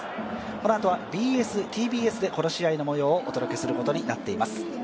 このあとはＢＳ−ＴＢＳでこの試合のもようをお届けすることになっています。